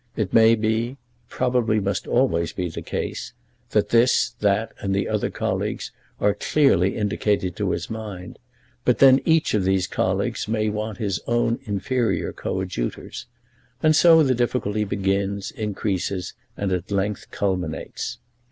It may be, probably must always be the case, that this, that, and the other colleagues are clearly indicated to his mind, but then each of these colleagues may want his own inferior coadjutors, and so the difficulty begins, increases, and at length culminates.